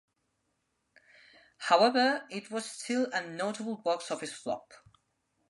However it was still a notable box office flop.